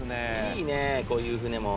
いいねこういう船も。